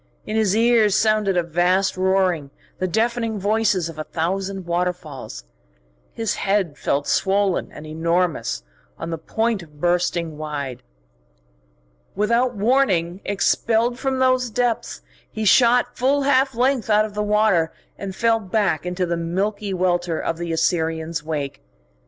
In his ears sounded a vast roaring, the deafening voices of a thousand waterfalls. His head felt swollen and enormous, on the point of bursting wide. Without warning expelled from those depths, he shot full half length out of water, and fell back into the milky welter of the Assyrian's wake.